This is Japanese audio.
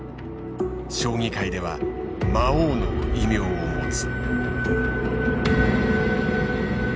将棋界では魔王の異名を持つ。